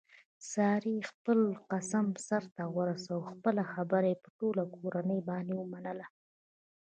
سارې خپل قسم سرته ورسولو خپله خبره یې په ټوله کورنۍ باندې ومنله.